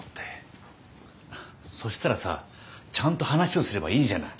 そしたらさちゃんと話をすればいいじゃない？